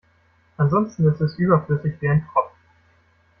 Ansonsten ist es überflüssig wie ein Kropf.